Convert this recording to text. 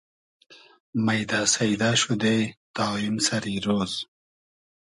مݷدۂ سݷدۂ شودې تا ایم سئری رۉز